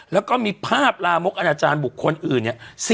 แล้วก็มีภาพลามกอนาจารย์บุคคลอื่นเนี่ย